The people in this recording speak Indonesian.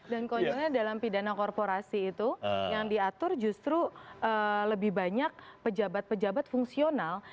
dan keonjolnya dalam pidana korporasi itu yang diatur justru lebih banyak pejabat pejabat fungsional